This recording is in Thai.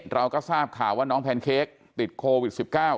เราก็ทราบข่าวว่าน้องแพนเค้กติดโควิด๑๙